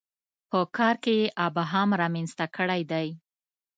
په کار کې یې ابهام رامنځته کړی دی.